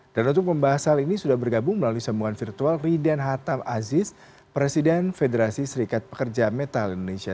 dan untuk pembahasan ini sudah bergabung melalui sambungan virtual riden hatam aziz presiden federasi serikat pekerja metal indonesia